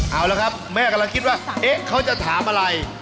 เอาละครับแม่กำลังคิดว่าเอ๊ะเขาจะถามอะไร